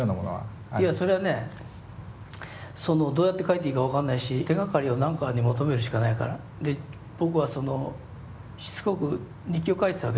いやそれはねどうやって書いていいか分かんないし手がかりを何かに求めるしかないからで僕はそのしつこく日記を書いてたわけですよ。